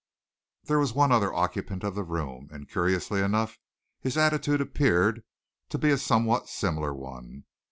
There was one other occupant of the room, and, curiously enough, his attitude appeared to be a somewhat similar one.